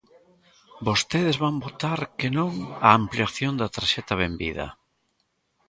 Vostedes van votar que non á ampliación da Tarxeta Benvida.